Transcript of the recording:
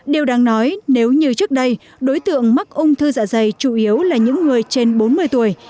điều đáng nói nếu như trước đây đối tượng mắc ung thư dạ dày chủ yếu là những người trên bốn mươi tuổi